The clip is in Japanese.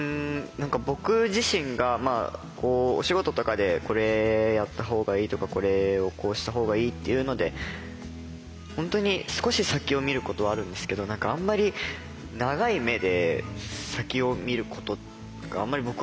僕自身がお仕事とかでこれやった方がいいとかこれをこうした方がいいっていうので本当に少し先を見ることはあるんですけど何かあんまり長い目で先を見ることがあんまり僕はないので。